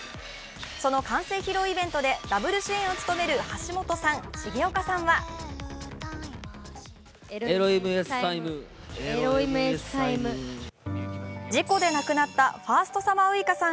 その完成披露イベントでダブル主演を務める橋本さん、重岡さんは事故で亡くなったファーストサマーウイカさん